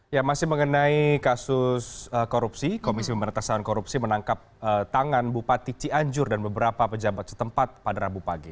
ya masih mengenai kasus korupsi komisi pemerintahan korupsi menangkap tangan bupati cianjur dan beberapa pejabat setempat pada rabu pagi